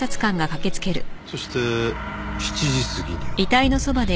そして７時過ぎには。